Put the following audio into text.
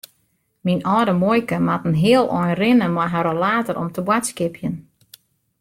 Myn âlde muoike moat in heel ein rinne mei har rollator om te boadskipjen.